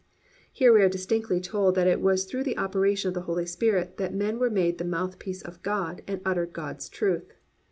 "+ Here we are distinctly told that it was through the operation of the Holy Spirit that men were made the mouthpiece of God and uttered God's truth.